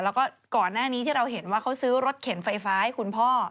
แล้วก็ก่อนหน้านี้ที่เราเห็นว่าเขาซื้อรถเข็นไฟฟ้าให้คุณพ่อ